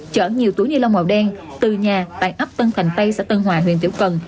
chở nhiều túi nilong màu đen từ nhà tại ấp tân thành tây xã tân hòa huyện tiểu cần